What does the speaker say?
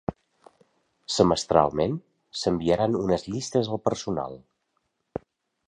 Semestralment s'enviaran unes llistes al personal.